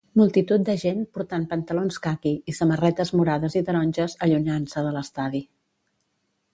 Multitud de gent portant pantalons caqui i samarretes morades i taronges allunyant-se de l"estadi.